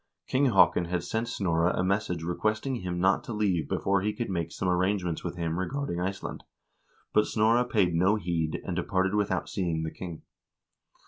King Haakon had sent Snorre a message re questing him not to leave before he could make some arrangements with him regarding Iceland, but Snorre paid no heed, and departed without seeing the king.